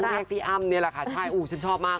ต้องเรียกพี่อ้ำนี่แหละค่ะใช่อุ๊ยฉันชอบมาก